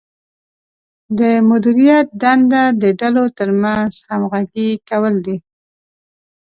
د مدیریت دنده د ډلو ترمنځ همغږي کول دي.